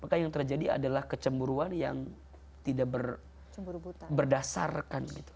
maka yang terjadi adalah kecemburuan yang tidak berdasarkan gitu